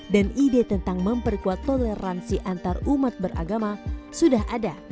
dan ide tentang memperkuat toleransi antarumat beragama sudah ada